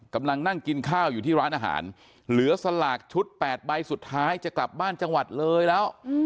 กำลังนั่งกินข้าวอยู่ที่ร้านอาหารเหลือสลากชุด๘ใบสุดท้ายจะกลับบ้านจังหวัดเลยแล้ว